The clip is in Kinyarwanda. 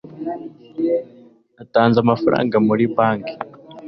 Natanze amafaranga . muri banki.